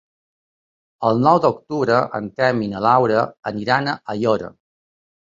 El nou d'octubre en Telm i na Laura iran a Aiora.